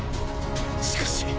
しかし